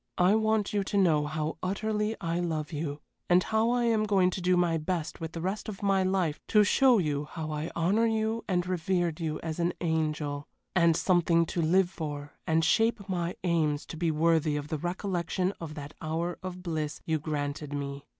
I want you to know how utterly I love you, and how I am going to do my best with the rest of my life to show you how I honor you and revered you as an angel, and something to live for and shape my aims to be worthy of the recollection of that hour of bliss you granted me.